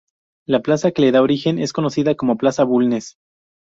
La plaza que le da origen es conocida como Plaza Bulnes.